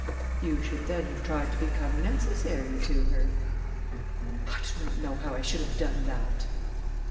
"You should then have tried to become necessary to her." "I do not know how I should have done that."